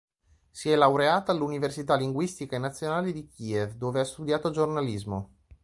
Si è laureata all'Università Linguistica Nazionale di Kiev, dove ha studiato giornalismo.